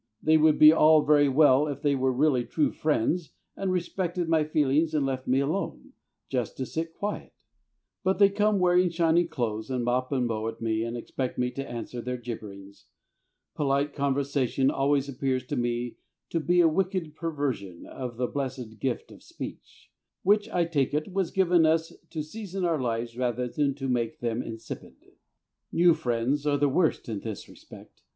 They would be all very well if they were really true friends and respected my feelings and left me alone, just to sit quiet. But they come wearing shiny clothes, and mop and mow at me and expect me to answer their gibberings. Polite conversation always appears to me to be a wicked perversion of the blessed gift of speech, which, I take it, was given us to season our lives rather than to make them insipid. New friends are the worst in this respect.